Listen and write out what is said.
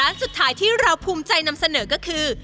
สุดท้ายที่เราภูมิใจนำเสนอก็คือ